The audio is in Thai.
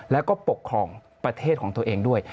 แล้วก็ปกครองประเทศของตัวเองด้วย